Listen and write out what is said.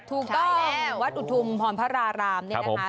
ถูกต้องวัดอุทุมพรพระรามเนี่ยนะคะ